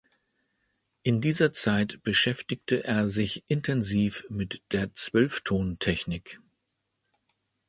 In dieser Zeit beschäftigte er sich intensiv mit der Zwölftontechnik.